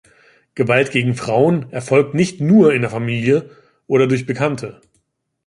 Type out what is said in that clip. Gewalt gegen Frauen erfolgt nicht nur in der Familie oder durch Bekannte.